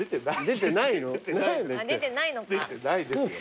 出てないですよ。